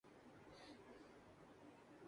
جو کثیر جہتی، متحرک اور سیاق و سباق پر مبنی ہو